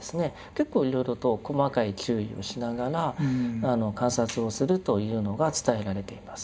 結構いろいろと細かい注意をしながら観察をするというのが伝えられています。